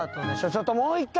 ちょっともう１回！